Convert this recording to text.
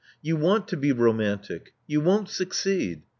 You want to be romantic. You won't succeed.